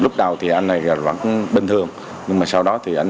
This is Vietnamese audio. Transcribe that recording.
của quốc gia mỹ